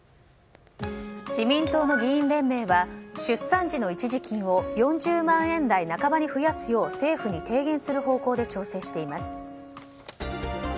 自民党の議員連盟は出産時の一時金を４０万円台半ばに増やすよう政府に提言する方向で調整しています。